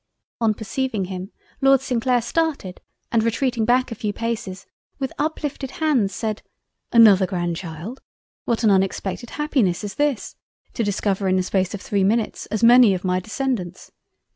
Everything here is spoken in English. On perceiving him Lord St. Clair started and retreating back a few paces, with uplifted Hands, said, "Another Grand child! What an unexpected Happiness is this! to discover in the space of 3 minutes, as many of my Descendants!